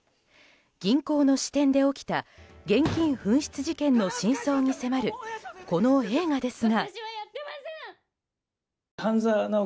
銀行の支店で起きた現金紛失事件の真相に迫る、この映画ですが。